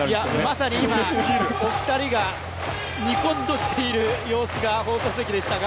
まさに今、お二人がにこっとしている様子が放送席でしたが。